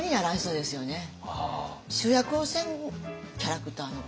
主役をせんキャラクターの方。